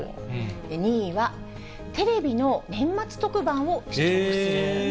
２位はテレビの年末特番を視聴する。